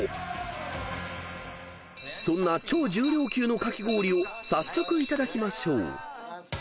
［そんな超重量級のかき氷を早速いただきましょう］